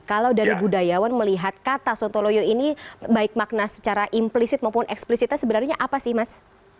kalau dari budayawan melihat kata sontoloyo ini baik makna secara implisit maupun eksplisitnya sebenarnya apa sih mas